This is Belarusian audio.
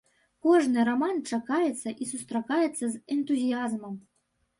Кожны раман чакаецца і сустракаецца з энтузіязмам.